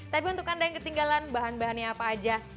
tapi untuk anda yang ketinggalan bahan bahannya apa aja